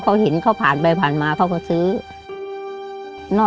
หลานก็ทำไม่ได้หลานก็ทำไม่ได้ต้องทำเลี้ยงคนเดียว